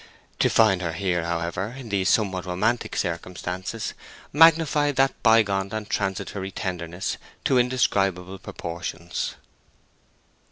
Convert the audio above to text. To find her here, however, in these somewhat romantic circumstances, magnified that by gone and transitory tenderness to indescribable proportions.